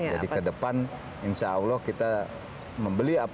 jadi kedepan insya allah kita membeli apapun